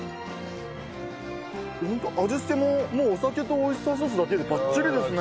ホント味付けもお酒とオイスターソースだけでバッチリですね。